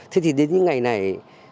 thế thì đến những ngày này